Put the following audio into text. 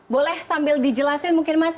boleh sambil dijelasin mungkin mas